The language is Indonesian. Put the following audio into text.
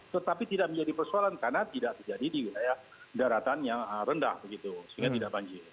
tetapi tidak menjadi persoalan karena tidak terjadi di wilayah daratan yang rendah begitu sehingga tidak banjir